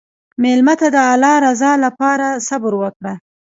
مېلمه ته د الله رضا لپاره صبر وکړه.